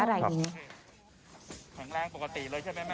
อะไรอย่างนี้